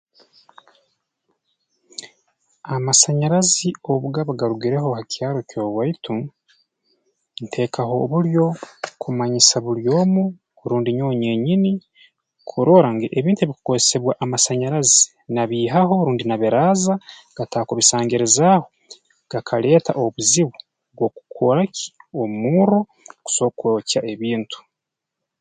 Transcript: Amasanyarazi obu gaba garugireho ha kyaro ky'owaitu nteekaho obulyo kumanyisa buli omu rundi nyowe nyeenyini kurora ngu ebintu ebikukozesa amasanyarazi nabiihaho rundi nabiraaza gataakubisangirizaaho gakaleeta obuzibu bw'okukora ki omurro oguso kwokya ebintu